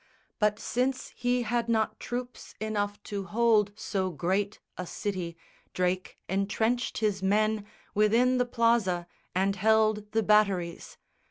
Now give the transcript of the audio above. But since he had not troops enough to hold So great a city, Drake entrenched his men Within the Plaza and held the batteries.